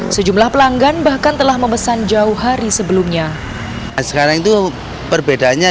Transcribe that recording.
sejumlah pelanggan bahkan telah memesan jauh hari sebelumnya